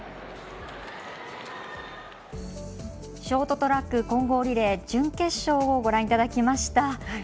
ショートトラック混合リレー準決勝をご覧いただきました。